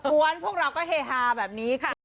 วนพวกเราก็เฮฮาแบบนี้ค่ะ